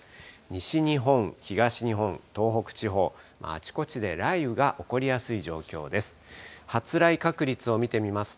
西日本、東日本、東北地方、あちこちで雷雨が起こりやすい状況です。